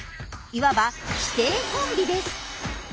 いわば師弟コンビです。